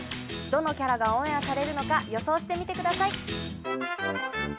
どのキャラがオンエアされるのか予想してみてください。